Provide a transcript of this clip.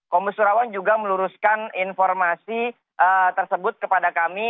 komus surawan juga meluruskan informasi tersebut kepada kami